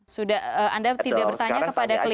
sudah anda tidak bertanya ke pak fredri